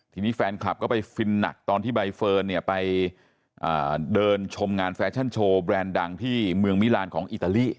ทีนี้แฟนคลับก็ไปฟินหนักตอนที่ใบเฟิร์นเนี่ยไปเดินชมงานแฟชั่นโชว์แบรนด์ดังที่เมืองมิลานของอิตาลี